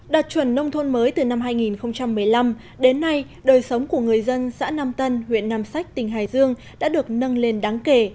đạt chuẩn nông thôn mới từ năm hai nghìn một mươi năm đến nay đời sống của người dân xã nam tân huyện nam sách tỉnh hải dương đã được nâng lên đáng kể